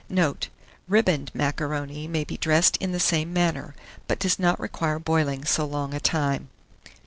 Note. Riband macaroni may be dressed in the same manner, but does not require boiling so long a time.